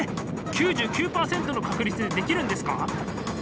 ９９％の確率でできるんですか？